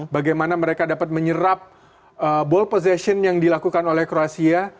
bagaimana mereka dapat menyerap ball position yang dilakukan oleh kroasia